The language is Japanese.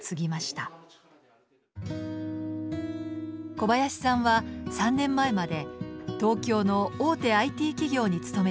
小林さんは３年前まで東京の大手ＩＴ企業に勤めていました。